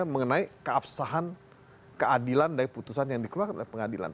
mengenai keabsahan keadilan dari putusan yang dikeluarkan oleh pengadilan